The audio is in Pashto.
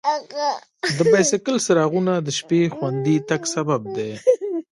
د بایسکل څراغونه د شپې خوندي تګ سبب دي.